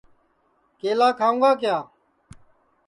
کیلا کھاؤں گا کِیا